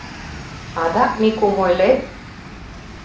Адак Микум ойлет?